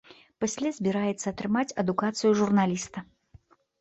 Пасля збіраецца атрымаць адукацыю журналіста.